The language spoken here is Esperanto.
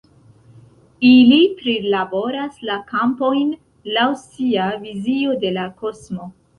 Ili prilaboras la kampojn laŭ sia vizio de la kosmo.